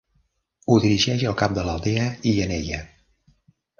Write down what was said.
Ho dirigeix el cap de l'aldea Yeneya.